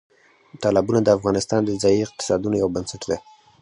تالابونه د افغانستان د ځایي اقتصادونو یو بنسټ دی.